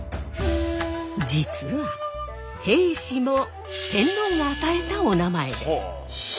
実は平氏も天皇が与えたおなまえです。